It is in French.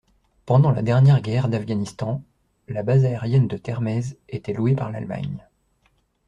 Pendant la dernière guerre d'Afghanistan, la base aérienne de Termez était louée par l'Allemagne.